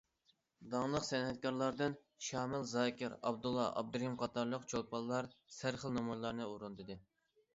داڭلىق سەنئەتكارلاردىن شامىل زاكىر، ئابدۇللا ئابدۇرېھىم قاتارلىق چولپانلار سەرخىل نومۇرلارنى ئورۇندىدى.